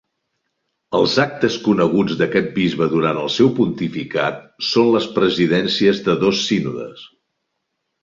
Els actes coneguts d'aquest bisbe durant el seu pontificat són les presidències de dos sínodes.